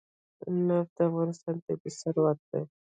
نفت د افغانستان طبعي ثروت دی.